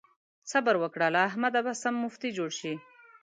صبر وکړه؛ له احمده به سم مفتي جوړ شي.